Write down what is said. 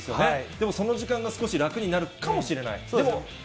でも、その時間が少し楽になるかもしれない。